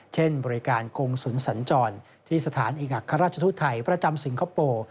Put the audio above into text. เช่นบริการกงศูนย์สัญจรที่สถานเอกอัครราชทูตไทยประจำสิงคโปร์